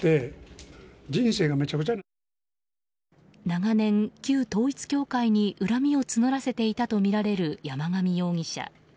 長年、旧統一教会に恨みを募らせていたとみられる山上容疑者。